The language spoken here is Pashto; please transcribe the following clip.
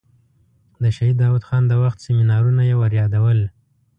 د شهید داود خان د وخت سیمینارونه یې وریادول.